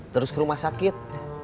terus ke rumah sakit